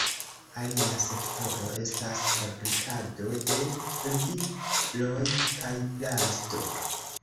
Alia sektoro estas fabrikado de ludiloj kaj plasto.